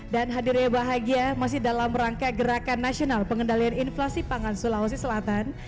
dan hadirnya bahagia masih dalam rangka gerakan nasional pengendalian inflasi pangan sulawesi selatan